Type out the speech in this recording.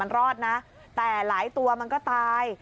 รอดนะแต่หลายตัวมันก็ตาย